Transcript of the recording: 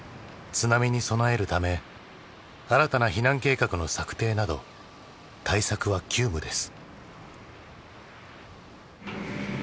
津波に備えるため新たな避難計画の策定など対策は急務です。